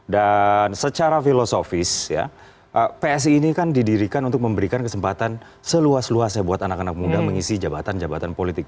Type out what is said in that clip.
dan secara filosofis ya psi ini kan didirikan untuk memberikan kesempatan seluas luasnya buat anak anak muda mengisi jabatan jabatan politik